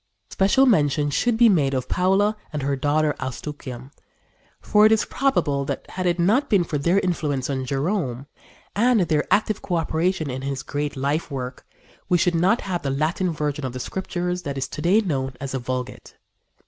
Special mention should be made of Paula and her daughter Eustochium; for it is probable that, had it not been for their influence on Jerome, and their active coöperation in his great life work, we should not have the Latin version of the Scriptures that is to day known as the Vulgate.